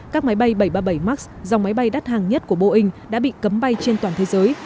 các máy bay bảy trăm ba mươi bảy max dòng máy bay đắt hàng nhất của boeing đã bị cấm bay trên toàn thế giới